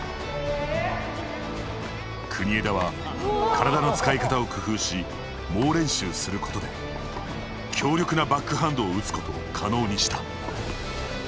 国枝は、体の使い方を工夫し猛練習することで強力なバックハンドを打つことを可能にした。